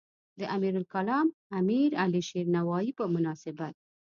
د امیرالکلام امیرعلی شیرنوایی په مناسبت.